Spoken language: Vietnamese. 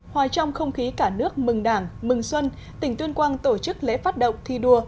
hòa trong không khí cả nước mừng đảng mừng xuân tỉnh tuyên quang tổ chức lễ phát động thi đua